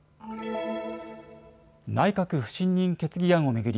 内閣不信任決議案を巡り